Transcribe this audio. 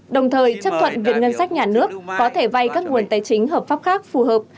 đồng thời chấp thuận việc ngân sách nhà nước có thể vay các nguồn tài chính hợp pháp khác phù hợp